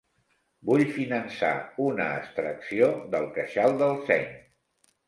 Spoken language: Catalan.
Vull finançar una extracció del queixal del seny.